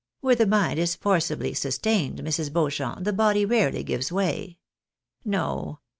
Where the mind is forcibly sustained, IMrs. Beauchamp, the body rarely gives way. No